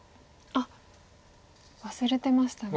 あっ忘れてましたね。